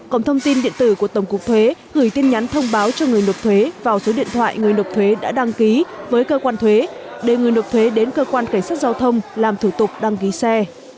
cổng thông tin điện tử của tổng cục thuế gửi tin nhắn thông báo cho người nộp thuế vào số điện thoại người nộp thuế đã đăng ký với cơ quan thuế để người nộp thuế đến cơ quan cảnh sát giao thông làm thủ tục đăng ký xe